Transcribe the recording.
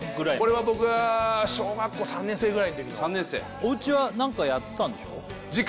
これは僕が小学校３年生ぐらいの時の３年生おうちは何かやってたんでしょ？